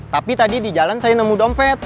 tapi tadi di jalan saya nemu dompet